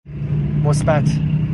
مثبت